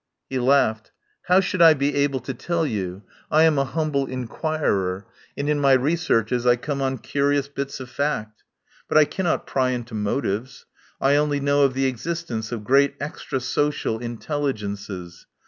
He laughed. "How should I be able to tell 75 THE POWER HOUSE you? I am a humble inquirer, and in my re searches I come on curious bits of fact. But I cannot pry into motives. I only know of the existence of great extra social intelligences.